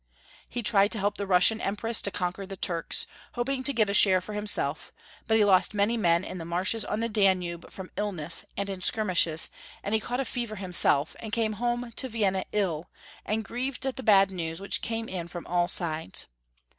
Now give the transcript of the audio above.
He tried to help the Russian Empress to conquer the Turks, hoping to get a share for himself, but he lost many men in the marshes on the Danube from illness and in skirmishes, and he caught a fever himself, and came home to Vienna ill, and grieved at the bad news which came in from all sides.